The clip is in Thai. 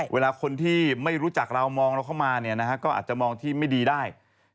เวลาคนที่ไม่รู้จักเรามองเราเข้ามาก็อาจจะมองที่ไม่ดีได้